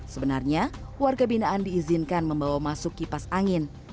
sebenarnya warga binaan diizinkan membawa masuk kipas angin